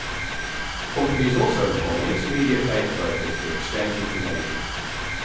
Companies also employ intermediate data brokers to exchange information.